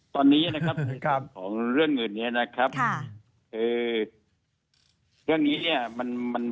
ตอนนี้นะครับเรื่องอื่นนะครับ